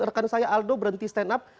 rekan saya aldo berhenti stand up